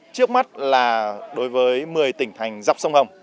trước mắt là đối với một mươi tỉnh thành dọc sông hồng